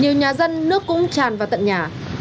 nhiều nhà dân nước cũng tràn vào tận nhà